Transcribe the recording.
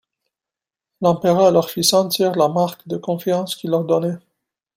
L'empereur leur fit sentir la marque de confiance qu'il leur donnait.